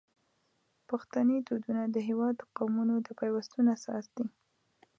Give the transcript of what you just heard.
پښتني دودونه د هیواد د قومونو د پیوستون اساس دي.